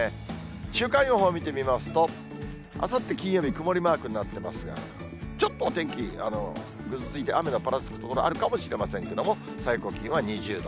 週間予報を見てみますと、あさって金曜日、曇りマークになってますが、ちょっとお天気、ぐずついて、雨のぱらつく所あるかもしれませんけども、最高気温は２０度。